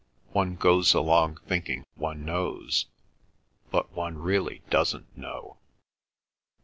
One goes along thinking one knows; but one really doesn't know."